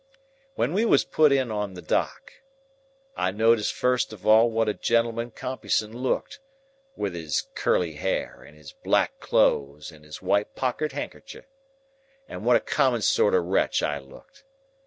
"When we was put in the dock, I noticed first of all what a gentleman Compeyson looked, wi' his curly hair and his black clothes and his white pocket handkercher, and what a common sort of a wretch I looked.